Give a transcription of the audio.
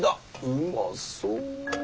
うまそう！